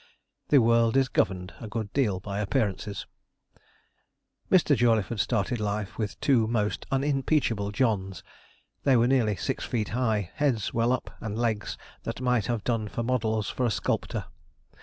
The world is governed a good deal by appearances. Mr. Jawleyford started life with two most unimpeachable Johns. They were nearly six feet high, heads well up, and legs that might have done for models for a sculptor.